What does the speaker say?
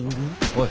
おい！